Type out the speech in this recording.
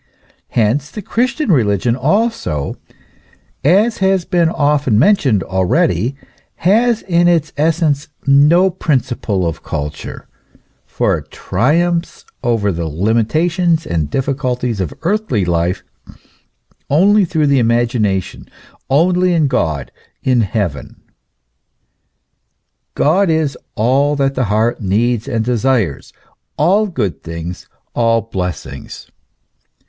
Hence the Christian religion also, as has been often mentioned already, has in its essence no principle of culture, for it triumphs over the limitations and difficulties of earthly life only through the imagination, only in God, in heaven. God is all that the heart needs and desires all good things, all blessings.